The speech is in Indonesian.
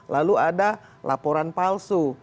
lalu ada laporan palsu